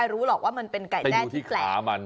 ไม่รู้เหมือนเป็นไก่แจ้ที่แปลก